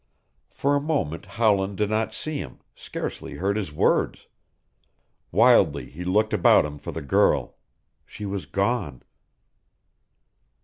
For a moment Howland did not see him, scarcely heard his words. Wildly he looked about him for the girl. She was gone.